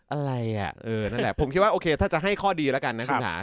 อะไรอ่ะเออนั่นแหละผมคิดว่าโอเคถ้าจะให้ข้อดีแล้วกันนะคุณหา